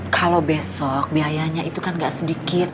kalau besok biayanya itu kan gak sedikit